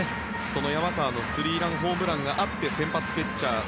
その山川のスリーランホームランがあって先発ピッチャー